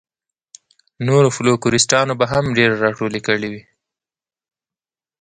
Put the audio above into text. نورو فوکلوریسټانو به هم ډېرې راټولې کړې وي.